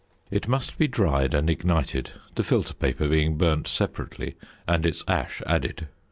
It must be dried and ignited, the filter paper being burnt separately and its ash added.